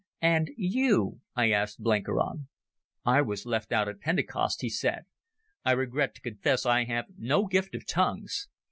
"And you?" I asked Blenkiron. "I was left out at Pentecost," he said. "I regret to confess I have no gift of tongues.